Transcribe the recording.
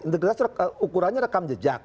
integritas ukurannya rekam jejak